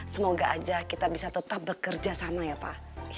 semoga aja kita bisa tetap bekerja sama ya pak